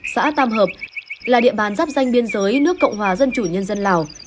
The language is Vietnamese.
xã tam hợp là địa bàn giáp danh biên giới nước cộng hòa dân chủ nhân dân lào